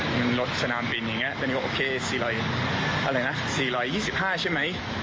เงินรถสนามบินอย่างนี้ตอนนี้บอกโอเค๔๐๐อะไรนะ๔๒๕ใช่ไหม